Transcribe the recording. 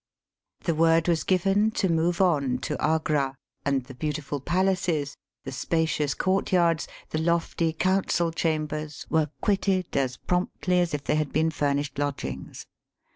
The word was given to move on to Agra, and the beautiful palaces, the spacious courtyards, the lofty council chambers, were quitted as promptly as if they had been furnished lodgings.